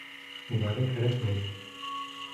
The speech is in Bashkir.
Улары кәрәкмәй.